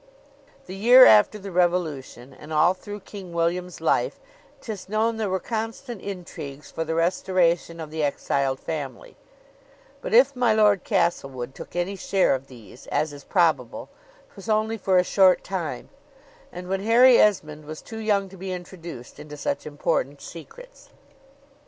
The year after the Revolution, and all through King William's life, 'tis known there were constant intrigues for the restoration of the exiled family; but if my Lord Castlewood took any share of these, as is probable, 'twas only for a short time, and when Harry Esmond was too young to be introduced into such important secrets.